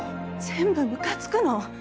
全部むかつくの！